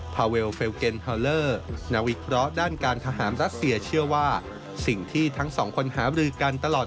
พาเวลเฟลเก็นฮาเลอร์